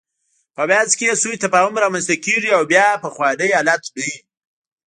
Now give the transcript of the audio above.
په منځ کې یې سوء تفاهم رامنځته کېږي او بیا پخوانی حالت نه وي.